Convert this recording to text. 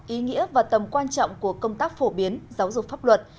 ý nghĩa và tầm quan trọng của công tác phổ biến giáo dục pháp luật